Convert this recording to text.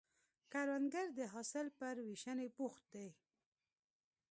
کروندګر د حاصل پر ویشنې بوخت دی